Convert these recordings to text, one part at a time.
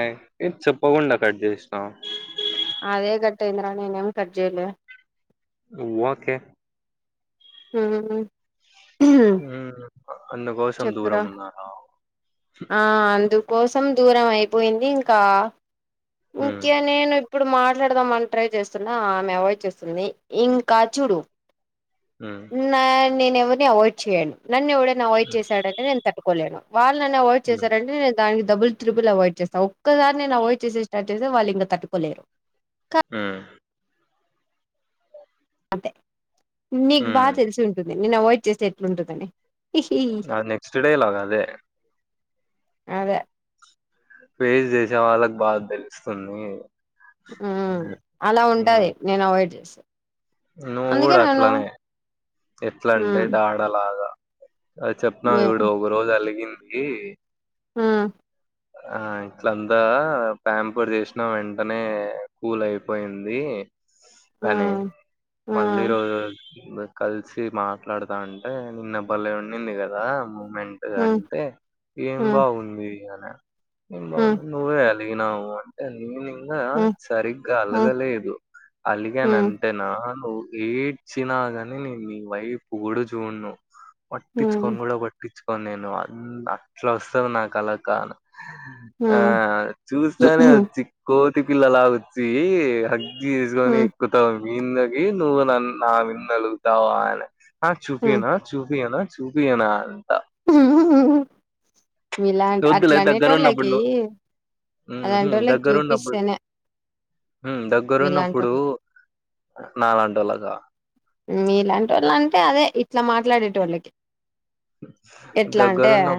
అయ్ ఎంట్ చెప్పకుండ కట్ చేసినావ్ అదే కట్ అయిందిరా నేను ఏం కట్ చేయలే ఇంద్ర నను ఎం కర్జిలి వు ఒకె ఉహు ఉ అందుకోసం చెప్పురా దూరం ఉన్నార ఆ అందుకోసం దూరం అయిపోయింది ఇంకా ఉమ్, ఇంకా నేను ఇప్పుడు మాట్లాడదాం అని ట్రై చేస్తున్న ఆమె అవాయిడ్ చేస్తుంది ఇంకా చూడు హు నా నేను అ వాయిడ్ చేయను నన్ను డ అవాయిడ్ చేశాడని నేను తట్టుకోలేను వాళ్లు నన్కు అవాయిడ్ ఉమ్, చేశాడంటే నేను దానికి డబుల్ త్రిబుల్ అవాయిడ్ చేస్తా ఒక్కదాన్నె అవాయిడ్ చేే స్టార్ట్ చేస్తె వాళ్ళు ఇంకా తట్టుకోలేరు ఉ అదే నీకు ఉమ్. బాగ తెలిసి ఉంటుంది నేను అవాయిడ్ చేసే ఎట్లుంటుందని ఆ నెక్స్ట్ డే ఇలాగ అదే అదె ఫేస్ చేసే వాళ్ళకి బాగ తెలుస్తుంది ఉ అలా ఉంటది ఉమ్, నేను అవాయిడ్ చేస్తె నువ్వు కూడ అట్లనే ఎట్ల అంటే హ్మ్ డాడలాగా అ చెప్పనా ఏ ఎవిడో ఒక రోజు అలిగింది హ ఆ ఇట్ల అంతా ప్యాంపర్ చేసినా వెంటనే కూల్ అయిపోయింది కనీ హ్మ్ మళ్ళీ హ్మ్ రోజు కలిసి మాట్లాడుతా అంటే నిన్న బలే ఉంన్నింది కదా మూమెంట్ ఎదో హ్మ్ అంటే ఏం హ్మ్ బాగుంది అని హ్మ్ నువ్వే అలిగినావు అంటే నీ నింగా హ్మ్ సరిగ్గా హ్మ్ అలగలేదు హ్మ్ అలిగానంటేన నువ్వు ఎయిట్ చినాగాని నేను నీ వైపు కూడా చూడ్ను హ్మ్ పట్టించుకని కూడా పట్టి చుకోని నేను అట్లా వస్తుంది నాకు అలక ఆ హ్మ్ చూస్తనే హ్మ్ వచ్చి కోతి పిల్లలాగ వచ్చి చేసుకొని హ్మ్ ఎక్కుతావు మీందకి నువ్వు నన్న నా మీద అలుగుతావా. అని ఆ హ్మ్. చూపినా చూపియనా చూపియనా అంట మీలా వద్దులే అట్లా దగ్గరున్నప్పుడు అనేటోళ్ళకి నువ్వు ఉహు అలాంటోల్లకి దగ్గరున్నప్పుడు చూపిస్తేనే ఉమ్ దగ్గరున్నప్పుడు మీలాంటోళ్ళకి. నా లాంటోల్లక ఉమ్ మీ లాంటి వాళ్ళకు అంటే అదే ఇట్ల మాట్లాడే టోళ్ళకి ఎట్లా అంటే దగ్గరున్న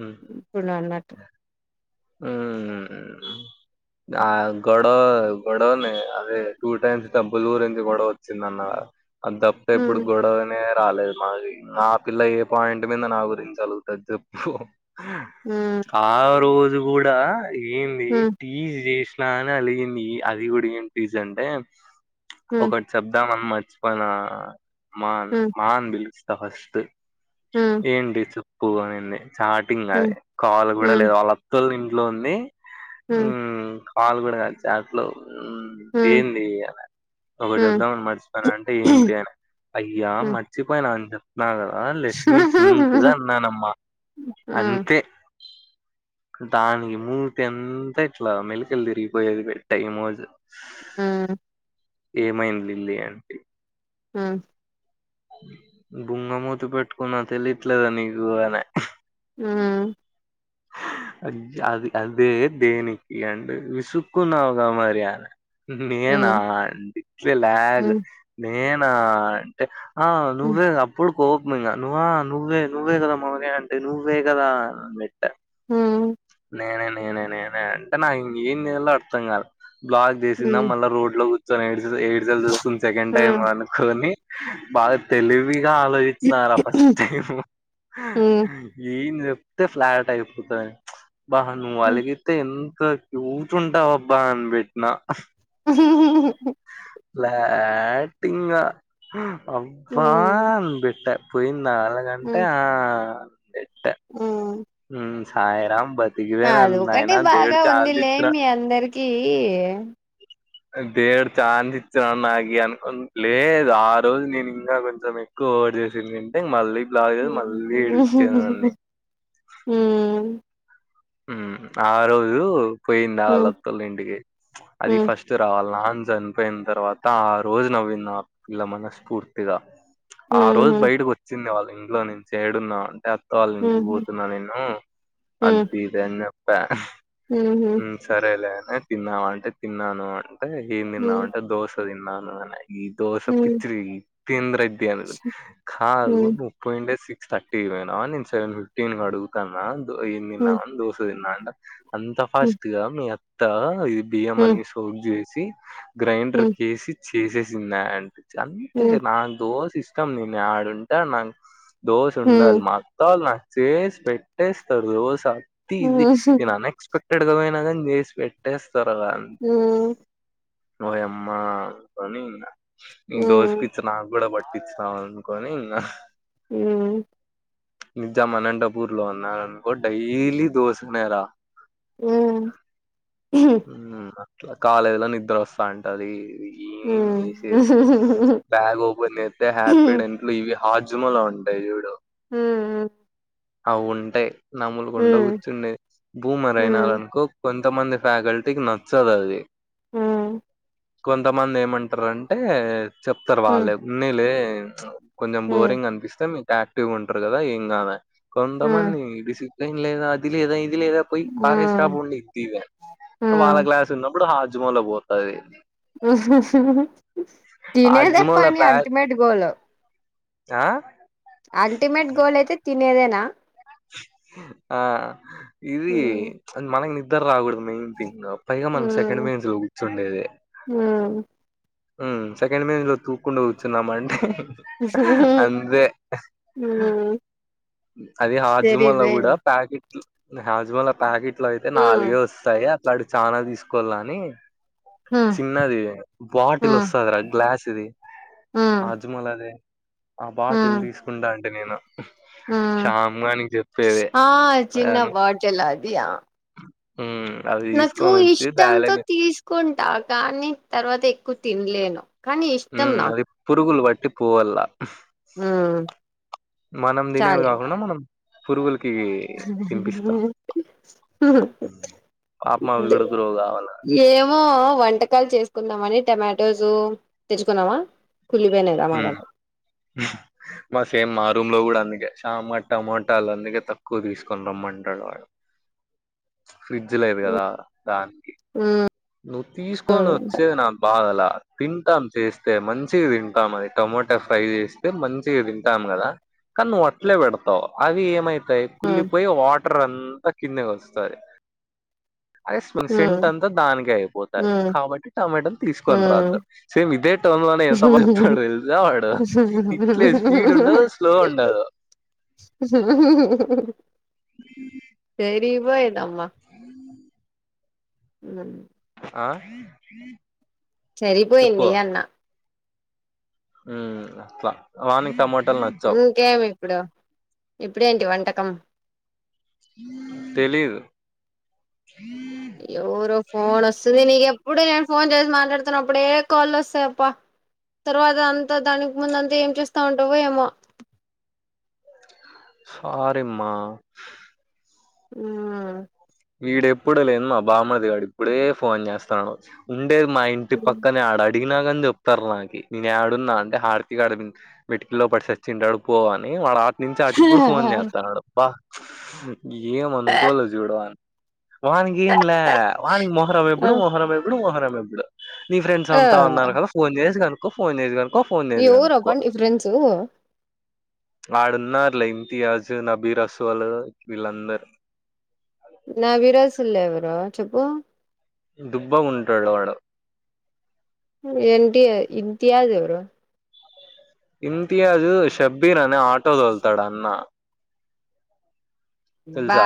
ఉమ్ ఇప్పుడు ను అన్నట్టు ఉమ్ ఆ గొడవ గొడవనే అదే టూ టైమ్స్ డబ్బులు గురించి గొడవ వచ్చింద అన్న అది తప్ప ఇప్పుడు హ్మ్. గొడవనయ్ రాలేదు మాది నా పిల్ల ఏ పాయింట్ మీద నా గురించి అలుగుతది చెప్పు హ్మ్. ఆ రోజు కూడ ఏంది హ్మ్. టీజ్ చేసినా అని అలిగింది అది కూడ ఎం టీజ్ అంటే హ్మ్. ఒక చెప్దామని మర్చిపోయిన మాన్ హ్మ్. మా అని పిల్సిన ఫస్ట్ హ్మ్. ఏంటి చెప్పు అని అంది చార్టింగ్ హ్మ్. అది కాల్ కూడా హ్మ్. లేదు వాళ్లా అత్తోల్ ఇంట్లో ఉంది హ్మ్. కాల్‌ గూడ కాదు చాట్లో హ్మ్. ఏంది ఒకటి హ్మ్. హ్మ్. చెప్దామని మర్చి అంటే ఏంటి అని అయ్యా హ్మ్. మర్చిపోయినా అని చెప్ప అన్న కదా లెట్ మీ థింక్ అన్నానమ్మా హ్మ్. అంతే దానికి మూతి అంత ఇట్లా మెలికలు తిరిగిపోయేది పెట్టా ఈ మోజు ఉం ఏమైంది లిల్లీ ఆంటీ ఉం బుంగమూతి పెట్టుకున్నా తెలియట్లేదా నీకు అని ఉం అది అదే దేనికి అంటే విసుకున్నావుగా మరి అని నేనా హ్మ్. [unintelligible] అండిట్ లాగ్ హ్మ్. నేనా అంటే ఆ హ్మ్. నువ్వే గా అప్పుడు కోపంగా నువ్వా నువ్వే నువ్వే కదా మనకే అంటే నువ్వే కదా హ్మ్. నేనే నేనే నేనే అంటే నాకు ఏ చెయ్యాలో అర్థం కాలే బ్లాక్ చేసినా హ్మ్. మళ్ళా రోడ్లో [unintelligible] ఎయిసెల్ వస్తుంది సెకండ్ టైమ్ హ్మ్. అనుకొని బాగా తెలివిగా ఆలో ఇస్తారా ఫస్ట్ టైం హ్మ్. ఎం చెప్తే ఫ్లాట్ అయిపోతది అబ్బా నువ్వు హ్మ్. అలిగితే ఎంత క్యూట్‌ ఉంటవబ్బ అని పెట్టినా ఉహు ఉహ్ ఉహు ఫ్లాట్ ఇంగ అబ్బా హ్మ్. అని పెట్ట పోయింద అల కంటే హ్మ్. ఆ పెట్ట ఉం సాయిరాం బ అది ఒకటి బాగా ఉంది ఇచ్చినా లేండి అందరికి దేవుడు ఛాన్స్ ఇచ్చిన నాకి అనుకు లేదు ఆ రోజు నేను ఇంకా కొంచెం [unintelligible] కోర్ చేసింది అంటే మళ్ళీ బ్లాగ్ మళ్ళీ విడిచ్చేన్నడి ఉం ఉం ఆ రోజు పోయింద అల అత్తలింటికి చ్ అది ఫస్ట్ [unintelligible] ర్ రావాల అని చనిపోయిన తర్వాత ఆ రోజు నవ్వింది ఆ పిల్ల మన స్ఫూర్తిగా ఆ రోజు బయటకు వచ్చింది వాళ్ళ ఇంట్లో నుంచి ఏడున్నావు అంటే వాళ్ళ ఇంటికి పోతున్నా నేను అది ఇది అని చెప్పా హు హామ్ హ్మ్. సరేలే అని తిన్నావా అంటే తిన్నాను అంటే ఎమ్ తిన్నావు అంటే దోశ తిన్నాను అని ఈ దోశ పిచ్చి [unintelligible] ది తింద్ర ఇ్య అన్న కా [unintelligible] పోయింటే సిక్స్ థర్టీ కి పోయినావ నేను సెవెన్ ఫిఫ్టీన్కి అడుగుతాన్నా ఏం తిన్నావు దోశ తిన్నాంట అంత ఫాస్ట్ గా మీ అత్త ఇది బియ్యం అని [unintelligible] చేసి గ్రైండర్ కేసి చేసేసిందా అంట [unintelligible] అంతే నాకు దోశ ఇష్టం నేను యడుంటే నాకు దోశ ఉండాలి మాకు [unintelligible] ల్ నా చేస్ పెట్టేస్త తర్దు ఓ సతి ఇదిది నాన [unintelligible] ఎక్స్పెక్టెడ్గా పోయినా కాని చేసి పెట్టేస్తారు ఓయమ్మా అని నీ దోశ పి నాకు కూడా పట్టి ఇచ్చినావు అనుకని ఇంకా ఉం నిజం అనంతపూర్ లో ఉన్నాను అనుకో డైలీ దోశ నే రా ఉం హు హామ్ ఉం అట్లా కాలేజీలో నిద్ర వస్తా అంటది ఏం చేసేది బ్యాగ్ ఓపెన్ అయితే హ్యాపీ [unintelligible] ఇంట్లో ఇవి హాజిమలా ఉంటాయి చూడు ఉం ఉం అవుంటాయి నములుకుంట కూర్చునేది. భూమర్ అయినాదనుకో కొంతమంది ఫ్యాకల్టీకి నచ్చదు అది మ్ కొంతమంది ఏమంటారంటే చెప్తారు వాళ్ళే, ఉన్నిలె కొంచం బోరింగ్ అనిపిస్తే మీకు యాక్టివ్గా ఉంటారు కదా ఏం కాదని కొంతమంది డిసి ప్లేన్ లేదా అది లేదా ఇది లేదా పోయి పారేస్ రాపోండి తీవాన్ వాళ్ళ క్లాస్ తున్నప్పుడు హాజ్మోల పోతది. తినేదే హాజ్మోల పని ప్యాక్ అల్టిమేట్ గోల్ ఆ అల్టిమేట్ గోల్ అయితే తినేదేనా? ఆ ఇది అది మనకి నిద్దర రాకూడదు మెయిన్ థింగ్ పైగా మనం సెకండ్ బెంచ్ లో కూర్చుండేది. మ్ మ్ సెకండ్ బెంచ్ లో తూక్కుంట కూచున్నాం అంటే అంతే అది వెరీ హాజ్మోల వెల్ కూడా ప్యాకెట్లు హాజ్మోల ప్యాకెట్లు అయితే నాలుగే వస్తాయి అట్లాటివి చానా తీసుకొల్ల అని చిన్నది బాట్ టిల్ వస్తాది రా గ్లాస్ ది, హాజ్మోల దే ఆ బాటిల్ తీసుకుంటా టి నేను షామ్గానికి చెప్పేది అను చెలాదియా మ్ నాకు ఇష్టంతో తీసుకుంటా కానీ తర్వాత ఎక్కువ తినలేను కానీ ఇష్టం మ్ అది నాకు పురుగుల్ పట్టి పోవల్ల మ్మ్ మనం తినేది చాలు ఇంకా కాకుండా మనం పురుగులకి తినిపిస్తాం మ్హ్ పాపం అవి కూడా గ్రో కావాల దె ఏమో వంటకాలు చేసుకుందామని టమాటోస్ తెచ్చుకున్నావా కుళ్లిపోయినాయి టమాటాలు ఆ మా సేమ్ మా రూమ్ లో కూడ అందుకే శామ్ గాడు టమాటాలు అందుకే తక్కువ తీసుకొని రమ్మంటాడు వాడు ఫ్రిడ్జ్ లేదు కదా దానికి. మ్ నువ్వు తీసుకొని వచ్చేది నాకు బాధ లా తింటాం చేస్తే మంచిగా తింటాం అది టొమోటా ఫ్రై చేస్తే మంచిగా తింటాం కదా కానీ నువ్ అట్లే పెడతావు అవి ఏమైతాయి కుల్లిపోయి వాటర్ అంతా కిందికి వస్తాది అదే స్మెల్ మ్మ్ సింట్ అంత దానికి కె అయిపోతాయి మ్మ్ కాబట్టి టమాటోలు తీసుకొని మ్మ్ రావద్దు సేమ్ ఇదే టౌన్ లోనే ఎట్ట బతుకుతాడు తెల్సా వాడు ఇట్లే స్పీడ్ ఉండదు స్లో ఉండదు సరిపోయిందమ్మా అ మ్ ఆ సరిపోయింది చెప్పు అన్నా మ్ అబ్బ వానింక మోట్ ఇంకేమిప్పుడు ఇప్పుడేంటి వంటకం తెలీదు ఎవరో ఫోన్ వస్తుంది నీకెప్పుడ నేను ఫోన్ చేసి మాట్లాడుతున్నప్పుడే ఏ కాల్ లు వస్తాయప్ప తర్వాత అంతా దానికి ముందంతా ఏం చేస్తా ఉంటావుో ఏమో సారీ మ్మ ఆ వీడెప్పుడ లేన్ బామ్మరిదిగాడు ఇప్పుడే ఫోన్ చేస్తానాడు ఉండేది మా ఇంట్ ఇంటి పక్కనే ఆడ అడినగాని చెప్తారు నాకి నేను ఆడున్నా అంటే హార్తికి అడి మిటికిల్లో పడిసి సచ్చింటాడు పో అని వాడాఆత్ నుంచి అటుకు కూడా ఫోన్ చేత్తన్నాడు బ ఏం అనుకోల చూడు అని వానికేం ల్యా వానికి మొహరం ఆ ఎప్పుడు మొహరం ఎప్పుడు మొహరం ఎప్పుడు నీ ఫ్రెండ్స్ ఆ అంతా ఉన్నారు కదా ఫోన్ చేసి కను కో ఫోన్ చేసి కనుక్కో ఫోన్ చేసి ఎవరప్ప కనుక్కో నీ ఫ్రెండ్స్ ఆడున్నారుల ఇమితయాజ్ నబీ రసోల్ వీళ్ళందరు నవిరసుల్ ఎవరు చెప్పు దుబ్బా గుంటాడు వాడు ఎంటి ఇంతియాజ్ ఎవరు ఇంతియాజ్ షబ్బీర్ అనే ఆటో తొలుతాడు అన్న బా తెలుసా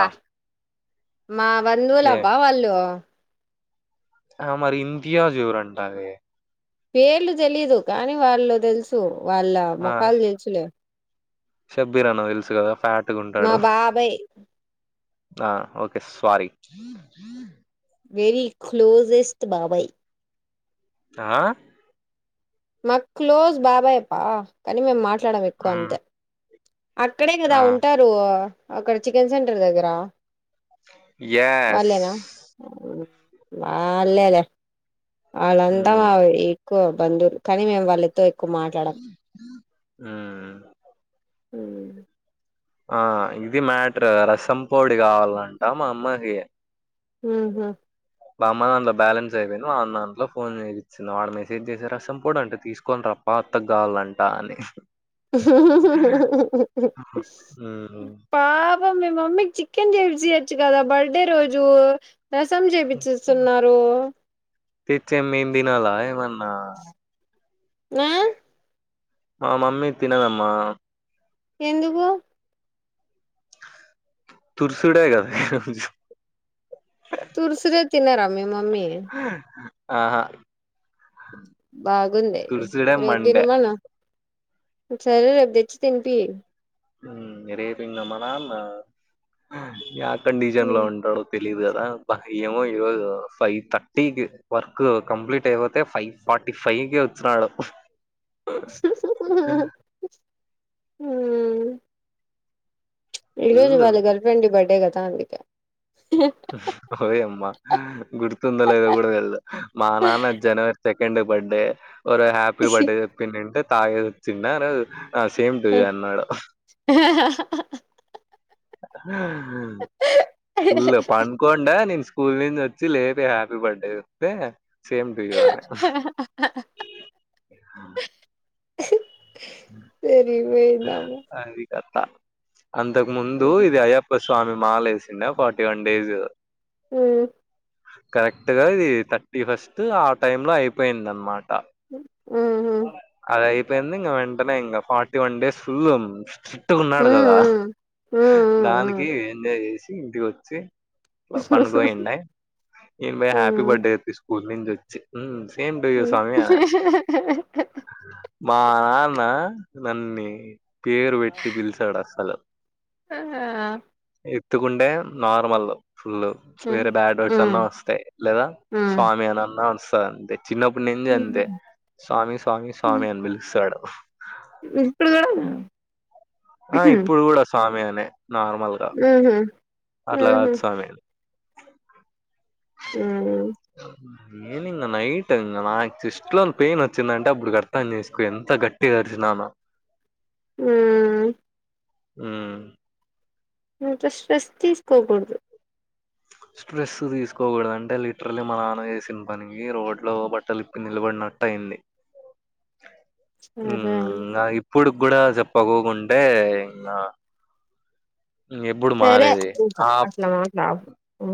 మా ఏ బంధువులబ్బా వాళ్ళు ఆ మరి ఇంతియాజ్ ఎవురు అంటావే పేర్లు తెలీదు కానీ వాళ్ళు తెలుసు వాళ్ళ ఆ ముఖాలు తెలుసులే షబ్బీర్ అన్న తెలుసు కదా ఫ్యాట్గా మా ఉంటాడు బాబాయ్ ఆ ఓకే స్వారీ వెరీ క్లోజెస్ట్ బాబాయ్ ఆ మాకు క్లోజ్ బాబాయప్ప కానీ మేము మాట్లాడం ఎక్కువ మ్మ్, అంతే అక్కడే కదా ఆ ఉంటారు అక్కడ చికెన్ సెంటర్ దగ్గర ఎస్ వాళ్ళైనా ఆళ్ళెలే వాళ్ళందాం మ్మ్, ఎక్కువ బంధువులు కానీ మేము వాళ్ళతో ఎక్కువ మాట్లాడం మ్ అ ఆ ఇది మ్యాటర్ రసం పొడి కావాలంట మా అమ్మాకి ఉమ్ హు బామ్మ దంట్లో బ్యాలెన్స్ అపోయింది మా నాన్న దాంట్లో ఫోన్ చేచ్చింది వాడు మెసేజ్ చేసే రసం పొడి అంటే తీసుకోని ర పాత గావాలంట అందుకే ఆ మ్మ్. పాప మీ మమ్మీ చికెన్ చేసియొచ్చు కదా బర్త్డే రోజు రసం చేపిచుస్తున్నారు తెచ్చాం మెమ్ దినాల ఏమన్న ఆ మా మమ్మీ తినదమ్మా ఎందుకు తుర్సుడే కద తుర్సుడే తినార మీ మమ్మీ ఆహా! బాగుంది. తుర్సుడే రేపు మండే తినమను సరే లే రేపు తెచ్చి తినిపి. రేపు ఇంకా మనాన్న యా కండిషన్ లో ఉంటాడో తెలీదు కదా మాకు ఏమో ఈ రోజు ఫైవ్ థర్టీకి వర్క్ కంప్లీట్ అయిపోతే ఫైవ్ ఫార్టీ ఫైవ్కి వచ్చినాడు. హ్ హూ హ్ మ్ హు ఈ రోజు వాళ్ళ గర్ల్ ఫ్రెండ్ బర్త్డే కదా అందుకే ఓయమ్మా గుర్తుందో లేదో కూడా తెల్దు మా నాన్న జనవరి సెకండ్ బర్త్డే. ఒక రోజు హ్యాపీ బర్త్డే చెప్పింటే తాగిసి వచ్చిండ ఆ రోజు. ఆ సేమ్ టు యు అన్నాడు. ఫుల్ పండుకోండ నేను స్కూల్ నుంచి వచ్చి లేపి హ్యాపీ బర్త్డే చెప్తే సేమ్ టూ యూ అన్నాడు. సరి పోయిందమ్మ అది కథ అంతకు ముందు ఇది అయ్యప్ప అయప్పస్వామి మాల వేసిండ ఫార్టీ వన్ డేస్. మ్ కరెక్ట్ గా ఇది థర్టీ ఫస్ట్ ఆ టైమ్ లో అయిపోయింది అన్నమాట. మ్ హూ అయిపోయింది ఇంక వెంటనే ఇంక ఫార్టీ వన్ డేస్ ఫుల్ నిష్ఠగున్నాడు కదా దానికి ఎంజాయ్ చేసి ఇంటికి వచ్చి పడుకోండే నేను పోయి హ్యాపీ బర్త్డే చెప్తి స్కూల్ నుంచి సేమ్ టు యు స్వామి అనా హ్ హ్ హ మా నాన్న నన్ని పేరు పెట్టి పిలచడసలు. ఆహా! ఎత్తుకుంటే నార్మల్ ఫుల్ వేరే బ్యాడ్ వర్డ్స్ అన్నా వస్తాయి. లేదా స్వామి అనన్నా వస్తాది అంతే. చిన్నప్పుడు నుంచి అంతే. స్వామి స్వామి ఆ స్వామి అని పిలుస్తాడు. ఇప్పుడు గూడా ఆ ఇప్పుడు కూడా స్వామి అనే నార్మల్ గా మ్ హు అట్లా కాదు స్వామి అ నిన్న నైట్ ఇంగ నాకు చెస్ట్ లో పెయిన్ వచ్చిందంటే అప్పుడు అర్తం చేసుకో ఎంత గట్టి ఏడ్చినాను మ్ ఉ ఇంత స్ట్రెస్ తీసుకోకూడదు. స్ట్రెస్ తీసుకోకూడదు అంటే లిటరలీ మన నాన్న చేసిన పనికి రోడ్ లో బ నిలబడినట్టు అయింది. సరే మ్ నా ఇప్పుడు కూడా చెప్పకోకుంటే ఇంగ ఎప్పుడు సరే మారేది. ఇంక ఆ! అట్లా మాట్లాడకు.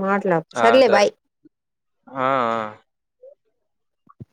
మాట్లాడు ఆ సరే ఆ